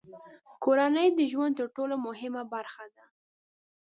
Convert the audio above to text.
کورنۍ د ژوند تر ټولو مهمه برخه ده.